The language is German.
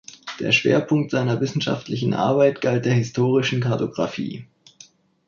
Der Schwerpunkt seiner wissenschaftlichen Arbeit galt der historischen Kartographie.